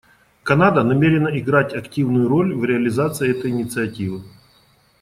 Канада намерена играть активную роль в реализации этой инициативы.